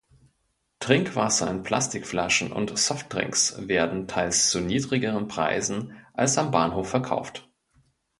Trinkwasser in Plastikflaschen und Softdrinks werden teils zu niedrigeren Preisen als am Bahnhof verkauft.